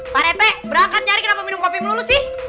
pak rete berangkat nyari kenapa minum kopimu lu sih